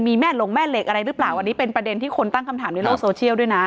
มีแม่หลงแม่เหล็กอะไรหรือเปล่าอันนี้เป็นประเด็นที่คนตั้งคำถามในโลกโซเชียลด้วยนะ